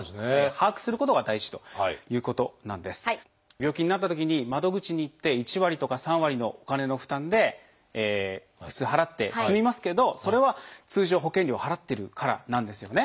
病気になったときに窓口に行って１割とか３割のお金の負担で普通払って済みますけどそれは通常保険料を払っているからなんですよね。